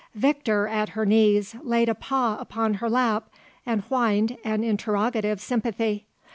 Victor, at her knees, laid a paw upon her lap and whined an interrogative sympathy.